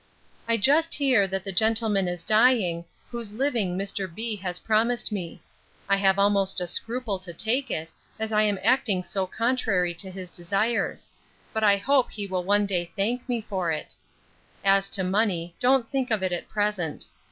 'I just hear, that the gentleman is dying, whose living Mr. B—— has promised me. I have almost a scruple to take it, as I am acting so contrary to his desires: but I hope he will one day thank me for it. As to money, don't think of it at present.